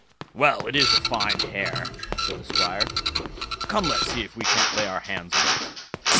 "Well, it is a fine hare", said the Squire; "come let's see if we can't lay our hands on it."